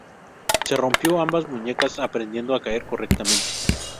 Se rompió ambas muñecas aprendiendo a caer correctamente.